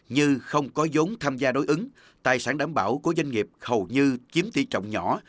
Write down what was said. như không có giống tham gia đối ứng tài sản đảm bảo của doanh nghiệp hầu như chiếm tỷ trọng nhỏ